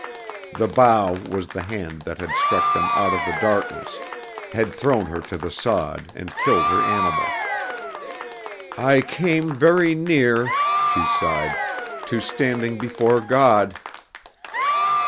The bough was the hand that had struck them out of the darkness, had thrown her to the sod and killed her animal. "I came very near," she sighed, "to standing before God."